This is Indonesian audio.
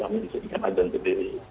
kami di sini kan azan sendiri